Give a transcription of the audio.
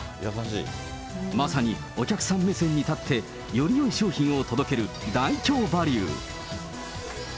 まさにお客さん目線に立って、よりよい商品を届けるダイキョーバリュー。